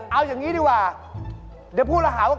เอาอย่างนี้ดีกว่าเดี๋ยวพูดแล้วหาว่า